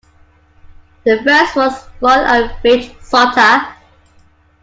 The first was Ron and Rich Sutter.